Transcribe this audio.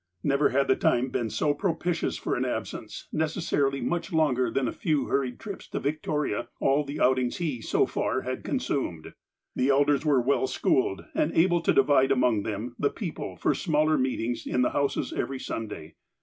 Never had the time been so propitious for an absence, necessarily much longer than the few hurried trips to Victoria, all the outings he, so far, had consumed. The elders were well schooled, and able to divide among them the people for smaller meetings in the houses every Sunday.